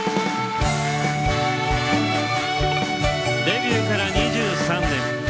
デビューから２３年。